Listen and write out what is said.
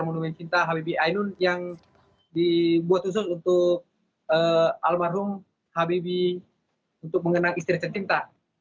monumen cinta habibie ainun yang dibuat khusus untuk almarhum habibie untuk mengenang istri tercinta